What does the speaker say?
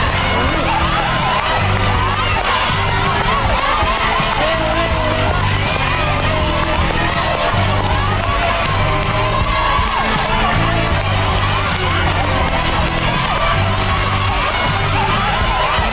พี่หวังว่าเขาจะทำแบบนี้นะครับ